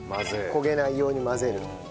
焦げないように混ぜる。